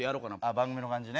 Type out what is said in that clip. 番組の感じね。